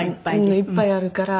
いっぱいあるから。